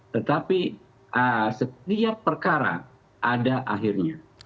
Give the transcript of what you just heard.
tetapi setiap perkara ada akhirnya